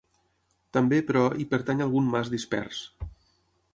També, però, hi pertany algun mas dispers.